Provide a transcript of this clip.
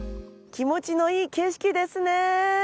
気持ちのいい景色ですね。